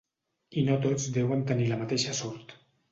I no tots deuen tenir la mateixa sort.